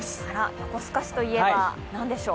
横須賀市といえば何でしょう？